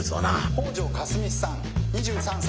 「北條かすみさん２３歳。